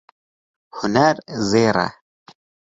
Huner zêr e.